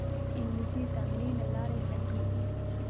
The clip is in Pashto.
انګلیسي د تمرین له لارې زده کېږي